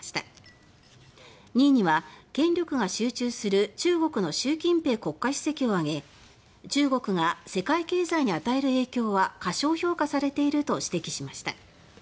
２位には権力が集中する中国の習近平国家主席を挙げ中国が世界経済に与える影響は「過小評価されている」と指摘しました。